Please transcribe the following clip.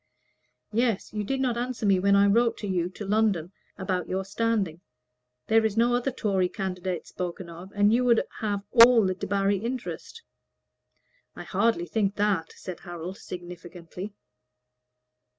"Yes. You did not answer me when I wrote to you to London about your standing. There is no other Tory candidate spoken of, and you would have all the Debarry interest." "I hardly think that," said Harold, significantly.